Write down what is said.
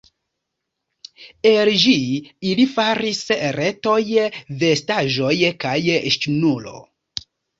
El ĝi ili faris retoj, vestaĵoj, kaj ŝnuro.